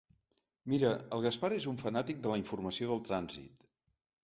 Mira, el Gaspar és un fanàtic de la informació del trànsit...